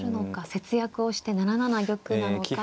節約をして７七玉なのか。